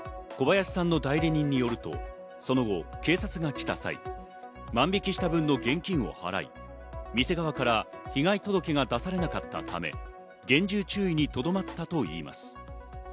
小林さんの代理人によると、その後、警察が来た際、万引した分の現金を払い、店側から被害届が出されなかったため、厳重注意にとどまったといいます。